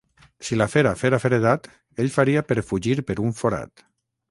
Si la fera féra feredat, ell faria per fugir per un forat.